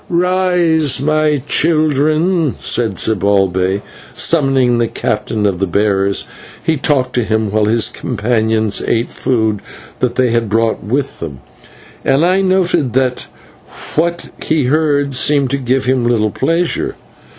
"Rise, my children," said Zibalbay. Then, summoning the captain of the bearers, he talked to him while his companions ate food that they had brought with them, and I noted that what he heard seemed to give him little pleasure.